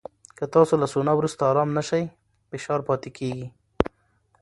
که تاسو له سونا وروسته ارام نه شئ، فشار پاتې کېږي.